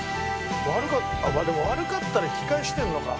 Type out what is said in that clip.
悪かったらでも悪かったら引き返してるのか。